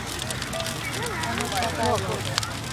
অনেক টাকা আয় করব।